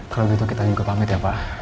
kalau begitu kita juga pamit ya pak